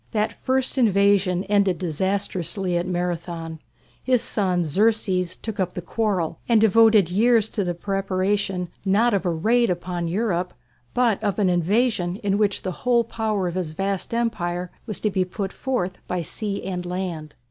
That first invasion ended disastrously at Marathon. His son, Xerxes, took up the quarrel and devoted years to the preparation not of a raid upon Europe, but of an invasion in which the whole power of his vast empire was to be put forth by sea and land.